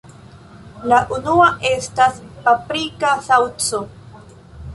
La unua estas Paprika Saŭco.